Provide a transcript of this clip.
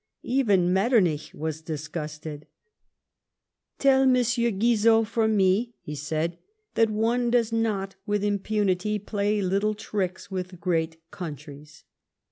Even Metternich was disgusted. TeU M. Gnizot from mie [he said] that one does not with impunity play little tricks with great countries.